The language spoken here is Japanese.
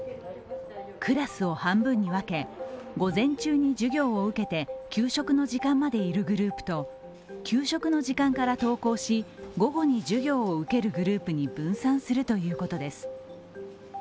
クラスを半分に分け、午前中に授業を受けて給食の時間までいるグループと給食の時間から登校し午後に授業を受けるグループに分散するということです。